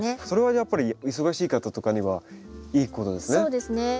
それはやっぱり忙しい方とかにはいいことですね。